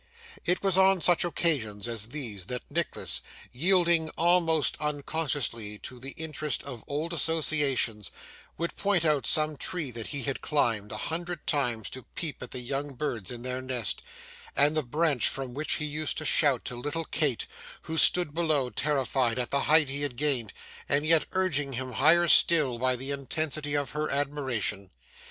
It was on such occasions as these, that Nicholas, yielding almost unconsciously to the interest of old associations, would point out some tree that he had climbed, a hundred times, to peep at the young birds in their nest; and the branch from which he used to shout to little Kate, who stood below terrified at the height he had gained, and yet urging him higher still by the intensity of her admiration.